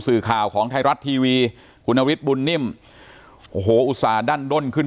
สื่อข่าวของไทยรัฐทีวีคุณนฤทธิบุญนิ่มโอ้โหอุตส่าหั้นด้นขึ้น